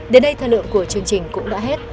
đến đây thời lượng của chương trình cũng đã hết